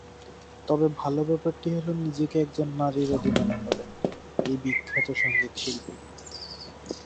তবে ভালো ব্যাপারটি হলো নিজেকে একজন নারীবাদী মনে করেন এই বিখ্যাত সঙ্গীতশিল্পী।